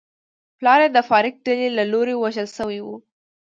پلار یې د فارک ډلې له لوري وژل شوی و.